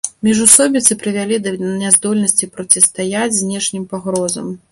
Міжусобіцы прывялі да няздольнасці процістаяць знешнім пагрозам.